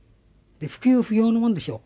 で不急不要のもんでしょ。